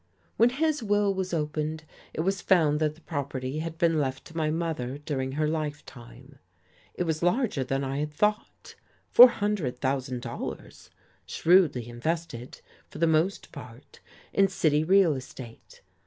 When his will was opened it was found that the property had been left to my mother during her lifetime. It was larger than I had thought, four hundred thousand dollars, shrewdly invested, for the most part, in city real estate.